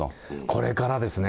これからですね。